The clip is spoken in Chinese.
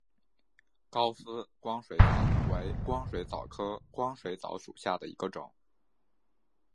高斯光水蚤为光水蚤科光水蚤属下的一个种。